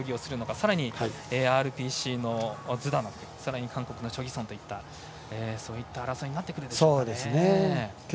さらにＲＰＣの選手やさらに韓国のチョ・ギソンといった争いになってくるでしょうか。